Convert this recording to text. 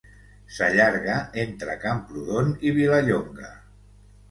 S'allarga entre Camprodon i Vilallonga.